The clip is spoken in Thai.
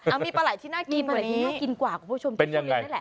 เอ้ามีปลาไหล่ที่น่ากินกว่านี้เป็นยังไง